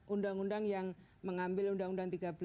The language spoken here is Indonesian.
undang undang yang mengambil undang undang tiga belas